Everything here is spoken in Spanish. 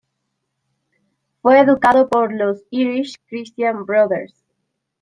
Fue educado por los Irish Christian Brothers.